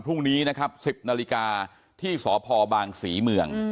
พรุ่งนี้นะครับ๑๐นาฬิกาที่สพบางศรีเมือง